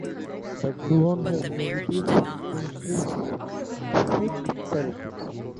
The gluon has negative intrinsic parity.